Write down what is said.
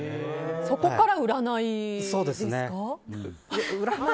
そこから占いですか？